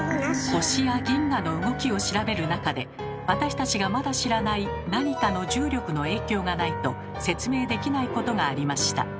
星や銀河の動きを調べる中で私たちがまだ知らないなにかの重力の影響がないと説明できないことがありました。